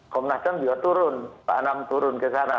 komnas ham juga turun pak anam turun ke sana